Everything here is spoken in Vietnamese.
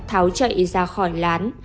tháo chạy ra khỏi lán